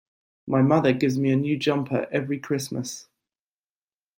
My mother gives me a new jumper every Christmas